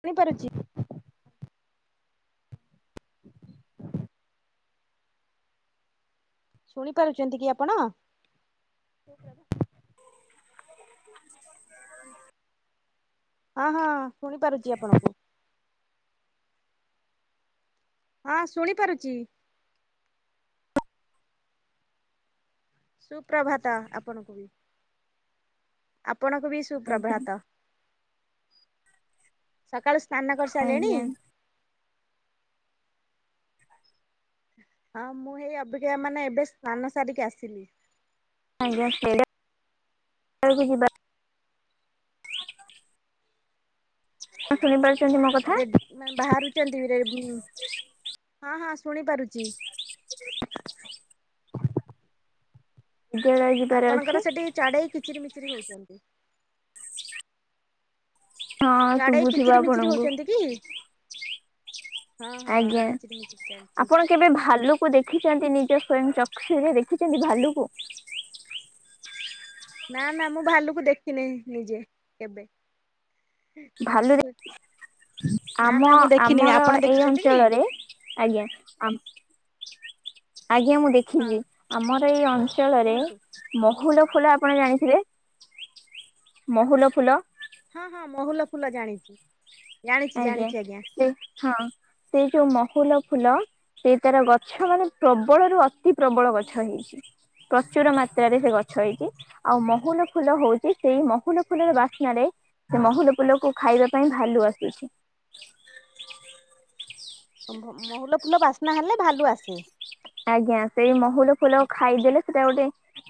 ଚିହ୍ନି ପାରୁଚି। ଶୁଣି ପାରୁଛନ୍ତି କି ଆପଣ? [unintelligible] [inaudible] ହଁ ହଁ ଶୁଣି ପାରୁଚି ଆପଣଙ୍କୁ। ହଁ ଶୁଣି ପାରୁଚି। ସୁପ୍ରଭାତ ଆପଣଙ୍କୁ। ଆପ ଆପଣଙ୍କୁ ବି ଆଜ୍ଞା ସୁପ୍ରଭାତ। ସକାଳୁ ସ୍ନାନ କରିସାରିଲେଣି? ଆଜ୍ଞା ହଁ ମୁଁ ହେଇ ଅବିକା ମାନେ ଏବେ ସ୍ନାନ ସାରିକି ଆସିଲି। ଆଜ୍ଞା। [unintelligible] [unintelligible] ଘରେ ବାହାରୁଛନ୍ତି ହଁ ହଁ ଶୁଣି ପାରୁଚି। [inaudible] ଯିବାର ଅଛି ଆପଣଙ୍କର ସେଠି ଚଢେଇ କିଚିରି ମିଚିରି ହଉଚନ୍ତି। ହଁ ଶୁଭୁଥିବ ମିଚିରି ଆପଣଙ୍କୁ। ହଉଛନ୍ତି କି? ହଁ ହଁ ଆଜ୍ଞା କିଚିରି ମିଚିରି ଚାଲିଛି ଆପଣ କେବେ ଭାଲୁକୁ ଦେଖିଛନ୍ତି ନିଜ ସ୍ଵୟଂ ଚକ୍ଷୁରେ ଦେଖିଛନ୍ତି ଭାଲୁକୁ। ନା ନା ମୁଁ ଭାଲୁକୁ ଦେଖିନି ନିଜେ କେବେ? ଭାଲୁ ଦେ [unintelligible] ନା ଆମ ନା ମୁଁ ଦେଖିନି ଆମର ଆପଣ ଏଇ ଦେଖିଛନ୍ତି କି? ଅଞ୍ଚଳରେ ଆଜ୍ଞା ଆମ୍ ଆଜ୍ଞା ମୁଁ ହଁ ଦେଖିଛି ଆମର ଏଇ ଅଞ୍ଚଳରେ କୁହନ୍ତୁ ମହୁଲ ଫୁଲ ଆପଣ ଜାଣିଥିବେ ମହୁଲ ଫୁଲ। ହଁ ହଁ ମହୁଲ ଫୁଲ ଜାଣିଚି। ଆଜ୍ଞା ସେ ହଁ ସେ ଯୋଉ ମହୁଲ ଫୁଲ ସେ ତାର ଗଛ ମାନେ ପ୍ରବଳରୁୁ ଅତି ପ୍ରବଳ ଗଛ ହେଇଛି। ପ୍ରଚୁର ମାତ୍ରାରେ ସେ ଗଛ ହେଇଛି ଆଉ ମହୁଲ ଫୁଲ ହଉଛି ସେଇ ମହୁଲ ଫୁଲର ବାସ୍ନାରେ। ସେ ମହୁଲ ଫୁଲକୁ ଖାଇବା ପାଇଁ ଭାଲୁ ଆସୁଛି। ନହେଲେ ଭାଲୁ ଆସେ। ଆଜ୍ଞା ସେଇ ମହୁଲ ଫୁଲ ଖାଇଦେଲେ ସେଟା ଗୋଟେ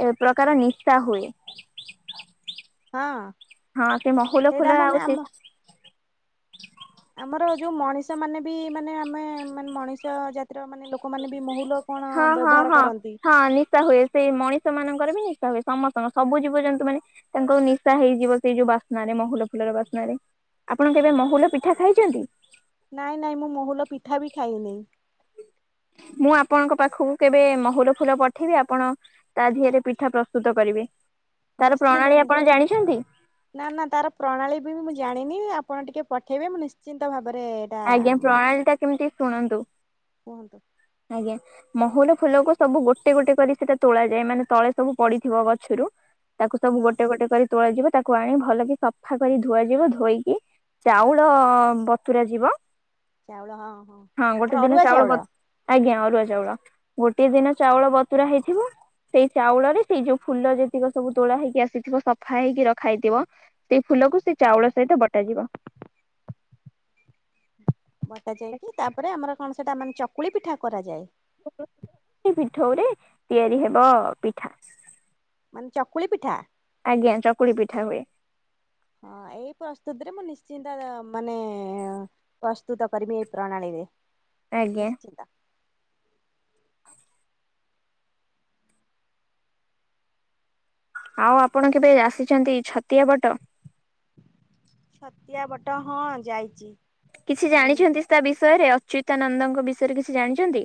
ଏ ପ୍ରକାର ନିଶା ହୁଏ। ହଁ। ହଁ ସେ ମହୁଲ ସେଇଟା ଫୁଲ ମାନେ ଆଉ ଆମ ସେ ଆମର ଯୋଉ ମଣିଷ ମାନେ ବି ମାନେ ଆମେ ମାନେ ମଣିଷ ଜା ହଁ ହଁ ବ୍ୟବହାର ହଁ କରନ୍ତି ହଁ ନିଶା ହୁଏ ସେଇ ମଣିଷ ମାନଙ୍କର ବି ହୁଏ। ସମସ୍ତଙ୍କ ସବୁ ଜୀବଜନ୍ତୁ ମାନେ ତାଙ୍କର ନିଶା ହେଇଯିବ ସେଇ ଯୋଉ ବାସ୍ନାରେ ମହୁଲ ଫୁଲର ବାସ୍ନାରେ। ଆପଣ କେବେ ମହୁଲ ପିଠା ଖାଇଛନ୍ତି? ନାଇଁ ନାଇଁ ମୁଁ ମହୁଲ ପିଠା ବି ଖାଇନେଇ। ମୁଁ ଆପଣଙ୍କ ପାଖକୁ କେବେ ମହୁଲ ଫୁଲ ପଠେଇବି ଆପଣ ତା ଦିହରେ ପିଠା ପ୍ରସ୍ତୁତ କରିବେ। ତାର ନିଶ୍ଚିନ୍ତ ପ୍ରଣାଳୀ ନି ଆପଣ ଜାଣିଛନ୍ତି? ନା ନା ତାର ପ୍ରଣାଳୀ ବି ମୁଁ ଜାଣିନି ଆପ୍ ଆପଣ ଟିକେ ପଠେଇବେ ମୁଁ ନିଶ୍ଚିନ୍ତ ଭାବ ଆଜ୍ଞା ପ୍ରଣାଳୀ ଟା କେମିତି ଶୁଣନ୍ତୁ କୁହନ୍ତୁ ଆଜ୍ଞା। ମହୁଲ ଫୁଲକୁ ସବୁ ଗୋଟେ ଗୋଟେ କରି ସେଇଟା ତୋଳାଯାଏ ମାନେ ତଳେ ସବୁ ପଡିଥିବ ଗଛରୁ ତାକୁ ସବୁ ହଁ ଗୋଟେ ଗୋଟେ କରି ତୋଳାଯିବ ତାକୁ ଆଣି ଭଲକି ସଫା କରି ଧୁଆ ଯିବ ଧୋଇକି ଚାଉଳ ବତୁରା ଯିବ। ଚାଉଳ ହଁ ହଁ ଗୋଟେ ଆମର ଦିନ ଅରୁଆ ଚାଉଳ ବ ଆଜ୍ଞା ଅ ଅରୁଆ ଚାଉଳ ଗୋଟିଏ ଦିନ ଚାଉଳ ବତୁରା ହେଇଥିବ। ସେଇ ଚାଉଳରେ ସେଇ ଯୋଉ ଫୁଲ ଯେତିକ ସବୁ ତୋଳା ହେଇକି ଆସିଥିବ ସଫା ହେଇକି ରଖା ହେଇଥିବ ସେଇ ଫୁ ଲକୁ ସେ ଚାଉଳ ସହିତ ବଟାଯିବ। ବଟା ଯାଇକି ତାପରେ ଆମର କଣ ସେଟା ମାନେ ଚକୁଳି ପିଠା କରାଯାଏ। ପିଠଉରେ ତିଆରି ହେବ ପିଠା। ମାନେ ଚକୁଳି ପିଠା। ଆଜ୍ଞା ଚକୁଳି ପିଠା ହୁଏ ହଁ ଏଇ ପ୍ରସ୍ତୁତିରେ ମୁଁ ନିଶ୍ଚି ତାର ମାନେ ପ୍ରସ୍ତୁତ କରିବି ଏଇ ପ୍ରଣାଳୀରେ। ଆଜ୍ଞା। ନିଶ୍ଚିନ୍ତ। ଆଉ ଆପଣ କେବେ ଆସିଛନ୍ତି ଛତିଆ ବଟ? ଛତିଆ ବଟ ହଁ ଯାଇଚି। କିଛି ଜାଣିଛନ୍ତି ତା ବିଷୟରେ। ଅଚ୍ୟୁତାନନ୍ଦଙ୍କ ବିଷୟରେ କିଛି ଜାଣିଚନ୍ତି।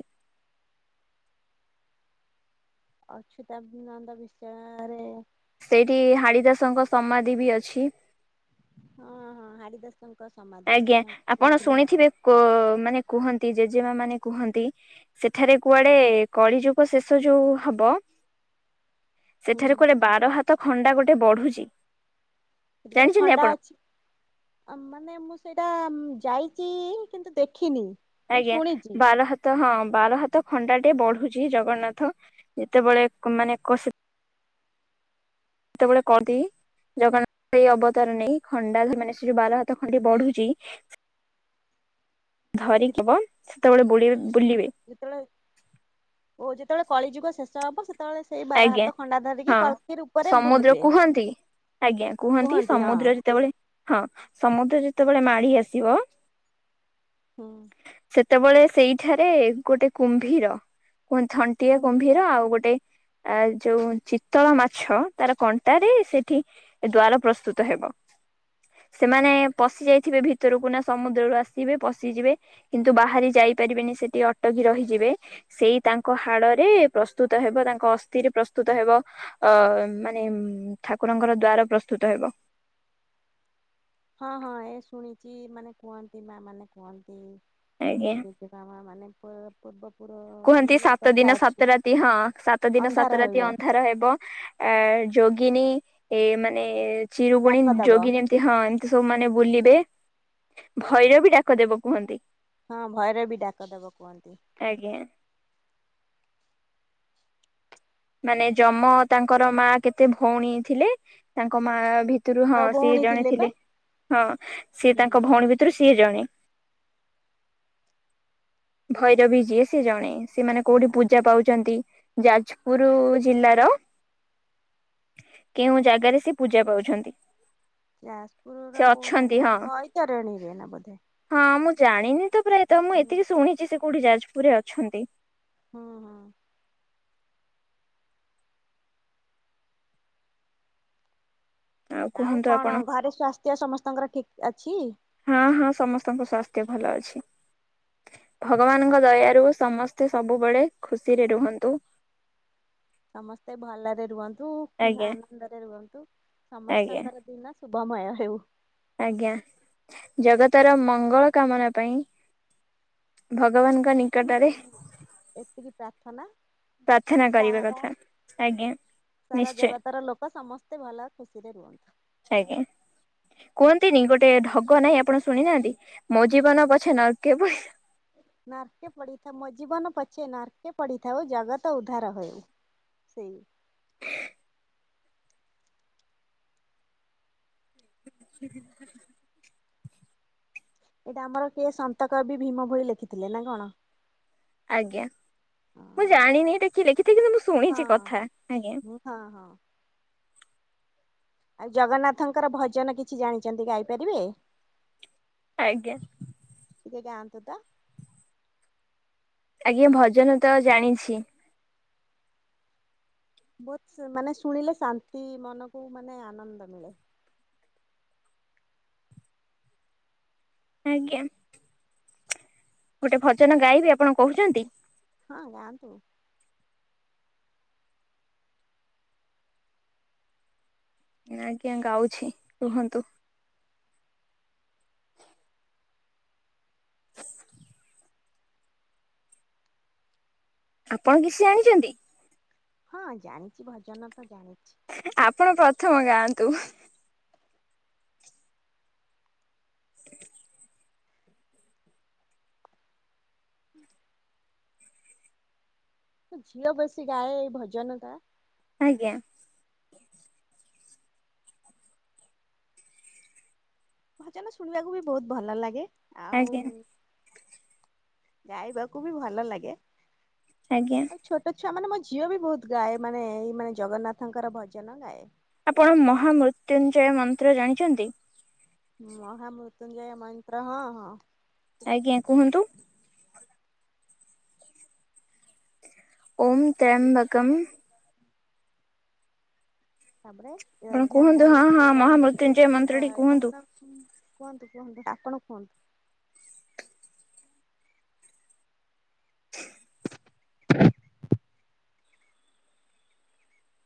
ଅଚ୍ୟୁତାନନ୍ଦ ବିଷୟରେ। ସେଇଠି ହାଡିଦାସଙ୍କ ସମାଧି ବି ଅଛି। ହଁ ହଁ ହାଡିଦାସ ଆଜ୍ଞା ଆପଣ ଶୁଣିଥିବେ କ ମାନେ କୁହ ନ୍ତି ଜେଜେମା ମାନେ କୁହନ୍ତି ସେଠାରେ କୁଆଡେ କଳି ଯୁଗ ଶେଷ ଯୋଉ ହବ। ହୁଁ ସେଠାରେ କୁଆଡେ ବାର ହାତ ଖଣ୍ଡା ଗୋଟେ ବଢୁଛି। ସେଠି ଗୋଟେ ଜାଣିଛନ୍ତି ଖଣ୍ଡା ଆପଣ? ଅଛି ଆ ମାନେ ମୁ ସେଇଟା ଯାଇଛି କିନ୍ତୁ ଦେଖିନି। କିନ୍ତୁ ଆଜ୍ଞା ଶୁଣିଛି ବାର ହାତ ହଁ ବାର ହାତ ଖଣ୍ଡା ଟେ ବଢୁଛି ଜଗନ୍ନାଥ ଯେତେବେଳେ ମାନେ କ କେତେବେଳେ କହନ୍ତି? ଜଗନ୍ନାଥ ଏଇ ଅବତାର ନେଇ ଖଣ୍ଡା ଧରି ମାନେ ସେ ଯୋଉ ବାର ହାତ ଖଣ୍ଡେ ବଢୁଚି। ଧରିହବ ସେତେବେଳେ ବୁଡି ଯେତେବେଳେ ଓ ଯେତେବେଳେ କଳି ଯୁଗ ଶେଷ ହବ ସେତେ ସେତେବେଳେ ସେଇ ବାର ଆଜ୍ଞା ହାତ ଖଣ୍ଡା ଧରିକି ହଁ କଲକି ରୁପରେ ସମୁଦ୍ର ବୁଲିବେ। କୁହନ୍ତି ଆଜ୍ଞା କୁହନ୍ତି ସମୁଦ୍ର ଯେତେବେଳେ ହଁ ସମୁଦ୍ର ଯେତେ ଯେତେବେଳେ ମାଡି ଆସିବ ହୁଁ। ସେତେବେଳେ ସେଇଠାରେ ଗୋଟେ କୁମ୍ଭୀର ଥଣ୍ଟିଆ କୁମ୍ଭୀର ଆଉ ଗୋଟେ ଆ ଯୋଉ ଚିତଳ ମାଛର ତାର କଣ୍ଟାରେ ସେଠି ଦ୍ଵାର ପ୍ରସ୍ତୁତ ହେବ। ସେମାନେ ପଶି ଯାଇଥିବେ ଭିତରକୁ ନା ସମୁଦ୍ରରୁ ଆସିବେ ପଶିଯିବେ କିନ୍ତୁ ବାହାରି ଯାଇ ନେଇ ପାରିବେନି ସେଠି ଅଟକି ରହିଯିବେ ସେଇ ତାଙ୍କ ହାଡରେ ପ୍ରସ୍ତୁତ ହେବ ତାଙ୍କ ଅସ୍ଥି ସେଥିରେ ପ୍ରସ୍ତୁତ ହେବ ଅ ମାନେ ଠାକୁରଙ୍କର ଦ୍ଵାର ପ୍ରସ୍ତୁତ ହେବ। ହଁ ହଁ ଏ ଶୁଣିଛି ମାନେ କୁହନ୍ତି ମା ମାନେ କୁହନ୍ତି। ଆଜ୍ଞା। ଆମର [unintelligible] ମାନେ ପୂର୍ବ [inaudible] କୁହନ୍ତି ଏ ସାତ କଥା ଦିନ ସାତ ଅଛି। ରାତି ହଁ ସାତ ଦିନ ଅନ୍ଧାର ସାତ ରାତି ହୋଇବ ଅନ୍ଧାର ହେବ ଏ ଯୋ ଗିନି ଏ ମାନେ ଚିରୁଗୁଣି ଡାକ ଦବ ଯୋଗିନୀ ଏମତି ହଁ ଏମତି ସବୁ ମାନେ ବୁଲି ଏ ଭୈର ବି ଡାକ ଦେବ କୁହନ୍ତି। ହଁ ଭୟିର ବି ଡାକ ଦବ କୁହନ୍ତି। ଆଜ୍ଞା। ମାନେ ଜମ ତାଙ୍କର ମା କେତେ ଭଉଣୀ ଥିଲେ? ତାଙ୍କ ମା ସାତ ଭିତରୁ ହଁ ସିଏ ଭଉଣୀ ଜଣେ ପା ଥିଲେ ହଁ ସିଏ ହୁଁ। ତାଙ୍କ ଭଉଣୀ ଭିତରୁ ସିଏ ଜଣେ। ଭୈରବୀ ଯିଏ ସିଏ ଜଣେ। ସେମାନେ କୋଉଠି ପୂଜା ପାଉଛନ୍ତି ଯାଜପୁର ଜିଲ୍ଲାର କେଉଁ ଜାଗାରେ ସେ ପୂଜା ପାଉଛନ୍ତି? ଯାଜପୁର ସେ ନା କୋଉ ଅଛନ୍ତି ଜାଗାରେ? ହଁ ବୈତରଣୀରେ ବୋଧେ। ହଁ ମୁଁ ଜାଣିନି ତ ପ୍ରାୟତଃ ମୁଁ ହୁଁ ଏତିକି ଶୁଣିଛି ସେ କୋଉଠି ଯାଜପୁରରେ ଅଛନ୍ତି। ହଁ ହଁ। ଆଉ କୁହନ୍ତୁ ଆପଣ କଣ ଘରେ ସ୍ୱାସ୍ଥ୍ୟ ସମସ୍ତଙ୍କର ଠିକ ଅଛି? ହଁ ହଁ ସମସ୍ତଙ୍କ ସ୍ୱାସ୍ଥ୍ୟ ଭଲ ଅଛି। ଭଗବାନଙ୍କ ଦୟାରୁ ସମସ୍ତେ ସବୁବେଳେ ଖୁସିରେ ରୁହନ୍ତୁ। ସମସ୍ତେ ଭଲରେ ରୁହନ୍ତୁ ଆଜ୍ଞା ଆନନ୍ଦରେ ରୁହନ୍ତୁ ଆଜ୍ଞା ସମସ୍ତଙ୍କର ଦିନ ଶୁଭ ମୟ ହେଉ। ଆଜ୍ଞା ଜଗତର ମଙ୍ଗଳ କାମନା ପାଇଁ ଭଗବାନଙ୍କ ନିକଟରେ ଏତିକି ପ୍ରାର୍ଥନା ପ୍ରାର୍ଥନା ତ କରିବା ସାରା କଥା। ଆଜ୍ଞା ସାରା ନିଶ୍ଚୟ ଜଗତ ର ଲୋକ ସମସ୍ତେ ଭଲ ଖୁସିରେ ରୁହନ୍ତୁ। ଆଜ୍ଞା। କୁହନ୍ତିନି ଗୋଟେ ଢଗ ନାହିଁ ଆପଣ ଶୁଣି ନାହାନ୍ତି ମୋ ଜୀବନ ପଛେ ନର୍କେ ପଡ଼ିଥାଉ। ନର୍କେ ପଡ଼ିଥାଉ ମୋ ଜିବନ ପଛେ ନର୍କେ ପଡ଼ିଥାଉ ଜଗତ ଉଧାର ହେଉ। ସେଇ। [inaudible] [inaudible] ଏଇଟା ଆମର କିଏ ସନ୍ତ କବି ଭୀମ ଭୋଇ ଲେଖିଥିଲେ ନା କଣ? ଆଜ୍ଞା, ମୁଁ ଜାଣିନି ଏଇଟା କିଏ ଲେଖିଥିଲେ କିନ୍ତୁ ମୁଁ ଶୁଣିଚି ହଁ କଥା ଆଜ୍ଞା ହଁ ହଁ! ଆଉ ଜଗନ୍ନାଥଙ୍କର ଭଜନ କିଛି ଜାଣିଚନ୍ତି ଗାଇପାରିବେ? ଆଜ୍ଞା! ଟିକେ ଗାଆନ୍ତୁ ତ ଆଜ୍ଞା ଭଜନ ତ ଜାଣିଛି। ବହୁତ, ସ୍ ମାନେ ଶୁଣିଲେ ଶାନ୍ତି ମନକୁ ମାନେ ଆନନ୍ଦ ମିଳେ। ଆଜ୍ଞା! ଗୋଟେ ଭଜନ ଗାଇବେ ଆପଣ କହୁଚନ୍ତି। ହଁ ଗାଆନ୍ତୁ। ଆଜ୍ଞା ଗାଉଛି କୁହନ୍ତୁ। ଆପଣ କିଛି ଜାଣିଛନ୍ତି। ହଁ ଜାଣିଚି ଭଜନ ତ ଜାଣେ ଆପଣ ପ୍ରଥମ ଗାଆନ୍ତୁ। ଝିଅ ବେସି ଗାଏ ଏଇ ଭଜନ ଟା। ଆଜ୍ଞା ଭଜନ ଶୁଣିବାକୁ ବି ବହୁତ ଭଲ ଲାଗେ ଆଉ ଆଜ୍ଞା ଗାଇବାକୁ ବି ଭଲ ଲାଗେ। ଆଜ୍ଞା ତାମାନେ ମୋ ଝିଅ ବି ବହୁତ ଗାଏ ମାନେ ଏଇ ମାନେ ଜଗନ୍ନାଥଙ୍କର ଭଜନ ଗାଏ। ଆପଣ ମହାମୃତ୍ୟୁଞ୍ଜୟ ମନ୍ତ୍ର ଜାଣିଛନ୍ତି। ମହା ମୃତ୍ୟୁଞୟ ମନ୍ତ୍ର ହଁ ହଁ। ଆଜ୍ଞା କୁହନ୍ତୁ। ଓମ୍ ତ୍ରୟଂବକମ୍ ତାପରେ ଆପଣ କୁହନ୍ତୁ ୟଜାମୟୀ ହଁ ହଁ ସୁଗନ୍ଧି ମହାମୃତ୍ୟୁଞ୍ଜୟ ପୂର୍ଷ୍ଟି ମନ୍ତ୍ରଟି କୁହନ୍ତୁ ବର୍ଦ୍ଧନଗ କୁହନ୍ତୁ କୁହନ୍ତୁ ଆପଣ କୁହନ୍ତୁ।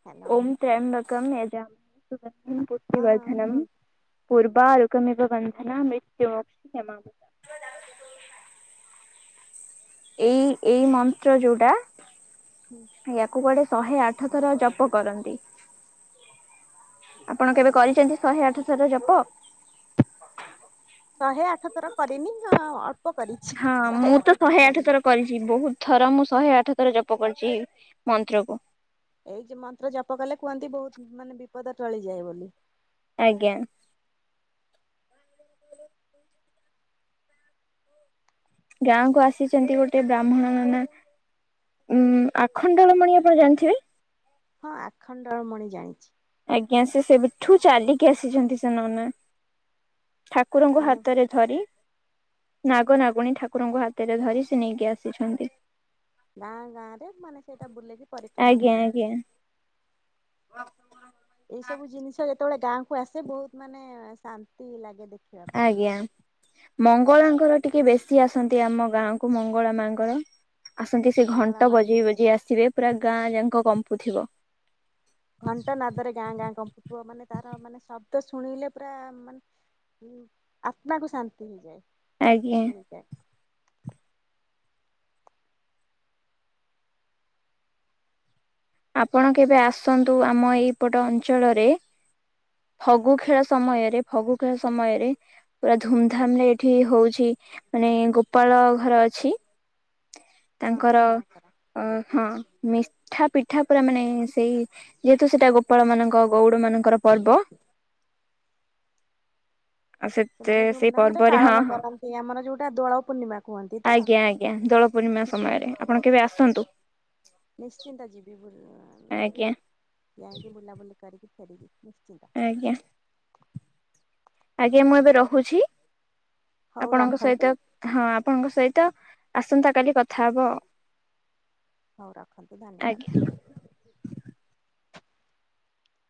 ହ୍ୟାଲୋ ଓମ୍ ତ୍ର୍ୟମ୍ବକମ୍ ୟଜାମହେ ସୁଗନ୍ଧି ହଁ ହଁ ପୃଷ୍ଟିବର୍ଦ୍ଧନଙ୍ଗ୍ କୁହନ୍ତୁ। ପୂର୍ବାରୁ କମେବ ବନ୍ଧନା ମୃତ୍ୟୁ ମୋକ୍ଷ ମାଙ୍ଗ ଏଇ ଏଇ ମନ୍ତ୍ର ଯୋଉଟା ୟାକୁ କୁଆଡେ ଶହେ ଆଠ ଥର ଜପ କରନ୍ତି। ଆପଣ କେବେ କରିଛନ୍ତି ଶହେ ଆଠ ଥର ଜପ। ଶହେ ଆଠ ଥର କରିନି ହଁ ଅଳ୍ପ କରିଛି। ହଁ ଶହେ ମୁଁ ଆଠ ତ ଶହେ ଆଠ କରିନି ଥର କରିଛି ବହୁତ ଥର ମୁ ମୁଁ ଶହେ ଆଠ ଥର ଜପ କରିଛି ମନ୍ତ୍ର କୁ। ଏଇ ଯେ ମନ୍ତ୍ର ଜପ କଲେ କୁହନ୍ତି ବହୁତ ମାନେ ବିପଦ ଟଳିଯାଏ ବୋଲି। ଆଜ୍ଞା ଗାଁ କୁ ଆସିଛନ୍ତି ଗୋଟେ ବ୍ରାହ୍ମଣ ନନା। ଉଁ ଆଖଣ୍ଡଳମଣି ଆପଣ ଜାଣିଥିବେ। ହଁ ଆଖଣ୍ଡଳମଣି ଜାଣିଚି। ଆଜ୍ଞା ସେ ସେବେଠୁ ଚାଲିକି ଆସିଛନ୍ତି ସେମାନେ। ଠାକୁରଙ୍କୁ ମାନେ ହାତରେ ଧରି ନାଗ ନାଗୁଣୀ ଠାକୁରଙ୍କୁ ହାତରେ ଧରି ସେ ନେଇକି ଆସିଛନ୍ତି। ଗାଁ ଗାଁ ରେ ମାନେ ସେଇଟା ବୁଲେଇିକି ପରିକ୍ରମା ଆଜ୍ଞା କରୁଛ ଆଜ୍ଞା ଏଇ ସବୁ ଜିନିଷ ଯେତେବେଳେ ଗାଁ କୁ ଆସେ ବହୁତ ମାନେ ଶାନ୍ତି ଲାଗେ। ଦେଖିବା ପାଇଁ। ଆଜ୍ଞା ମଙ୍ଗଳାଙ୍କର ଟିକେ ବେଶୀ ଆସନ୍ତି ଆମ ଗାଁକୁ ମଙ୍ଗଳା ମାଙ୍କର ଆସନ୍ତି ସେ ମଙ୍ଗଳା ଘଣ୍ଟ ବଜେଇ ମାଙ୍କ ବଜେଇ ଆସିବେ ପୁରା ଗାଁ ଯାଙ୍କ କମ୍ପୁଥିବ। ଘଣ୍ଟ ନାଦରେ ଗାଁ ଗାଁ କମ୍ପିବ ମାନେ ତାର ମାନେ ଶବ୍ଦ ଶୁଣିଲେ ପୁରା ମାନେ ହୁଁ ଆତ୍ମା କୁ ଶାନ୍ତି ହେଇଯାଏ ଆଜ୍ଞା। ମିଳିଯାଏ। ଆପଣ କେବେ ଆସନ୍ତୁ ଆମ ଏଇପଟ ଅଞ୍ଚଳରେ ଫଗୁ ଖେଳ ସମୟରେ ଫଗୁ ଖେଳ ସମୟରେ ପୁରା ହୁଁ ଧୁମଧାମ ରେ ଏଠି ହଉଛି। ଛି ମାନେ ଗୋପାଳ ଘର ଅଛି। ହଁ ତାଙ୍କର ଗୋପାଳଙ୍କର। ଅ ହଁ ମି ଠା ପିଠା ପରା ମାନେ ସେଇ ଯେହେତୁ ସେଇଟା ଗୋପାଳ ମାନଙ୍କ ଗଉଡ ମାନଙ୍କର ପର୍ବ। ଆଉ ସେତ ସେମାନେ ସେଇ ଧୁମଧାମ ରେ ପର୍ବରେ ହଁ ପାଳନ ହଁ, କରନ୍ତି ଆମର ଯୋଉଟା ଦୋଳ ପୂର୍ଣ୍ଣିମା କୁହନ୍ତି ତ। ଆଜ୍ଞା ଆଜ୍ଞା। ଦୋଳ ପୂର୍ଣ୍ଣିମା ସମୟରେ ଆପଣ କେବେ ଆସନ୍ତୁ। ଉ-ଉ-ଉ ଆଜ୍ଞା ଯାଇଗୀ ବୁଲା ବୁଲି କରିକି ଫେରିବି ନିଶ୍ଚିନ୍ତ। ଆଜ୍ଞା ଆଜ୍ଞା ମୁଁ ଏବେ ରହୁଛି। ହଉ ଆପଣଙ୍କ ରଖନ୍ତୁ ସହିତ ହଁ ଆପଣଙ୍କ ସହିତ ଆସନ୍ତା କାଲି କଥା ହବ। ହଉ ରଖନ୍ତୁ ଆଜ୍ଞା ଧନ୍ୟବାଦ।